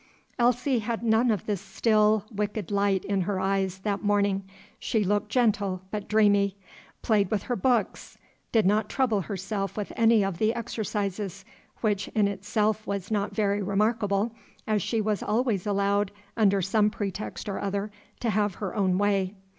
Elsie had none of the still, wicked light in her eyes, that morning. She looked gentle, but dreamy; played with her books; did not trouble herself with any of the exercises, which in itself was not very remarkable, as she was always allowed, under some pretext or other, to have her own way.